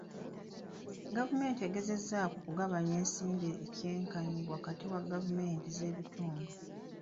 Gavumenti egezezzaako okugabanya ensimbi kyenkanyi wakati wa gavumenti z'ebitundu.